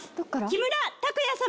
木村拓哉様